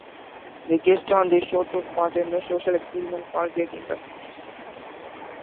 The guests on the show took part in a social experiment called Gay Kingdom.